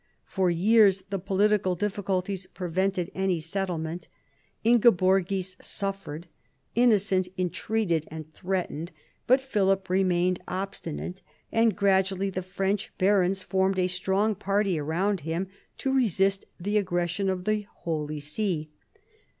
For years the political difficulties prevented any settlement. Inge borgis suffered : Innocent entreated and threatened : but Philip remained obstinate, and gradually the French barons for.med a strong party around him to resist the aggression of the Holy See.